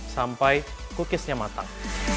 sampai cookiesnya matang